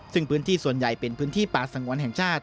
ซึ่งพื้นที่ส่วนใหญ่เป็นพื้นที่ป่าสงวนแห่งชาติ